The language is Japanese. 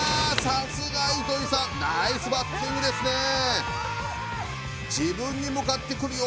さすが糸井さんナイスバッティングですねえ